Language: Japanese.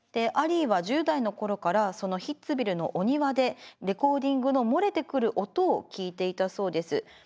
アリーは１０代の頃からそのヒッツヴィルのお庭でレコーディングの漏れてくる音を聴いていたそうです。